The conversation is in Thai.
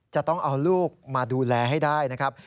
จะต้องเอาลูกมาดูแลให้ได้นะครับ